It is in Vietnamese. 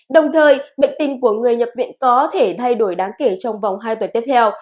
đồng thời bệnh tình của người nhập viện có thể thay đổi đáng kể trong vòng hai tuần tiếp theo